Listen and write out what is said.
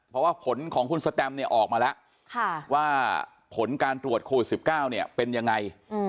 เพราะว่าผลของคุณสเต็มออกมาแล้วว่าผลการตรวจคลุ่น๙๙เป็นยังไง